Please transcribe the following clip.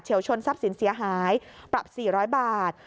ชนทรัพย์สินเสียหายปรับ๔๐๐บาท